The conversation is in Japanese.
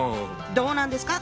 どうなんですか？